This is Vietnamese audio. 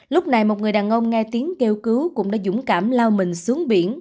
lúc này một người đàn ông nghe tiếng kêu cứu cũng đã dũng cảm lao mình xuống biển